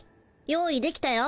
用意できたよ。